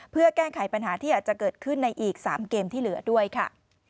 เพื่อแก้ไขปัญหาที่อาจจะเกิดขึ้นในอีก๓เกมที่เหลือด้วยค่ะ